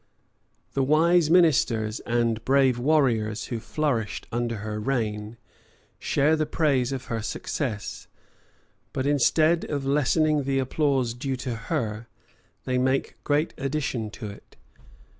The wise ministers and brave warriors who flourished under her reign, share the praise of her success; but instead of lessening the applause due to her, they make great addition to it.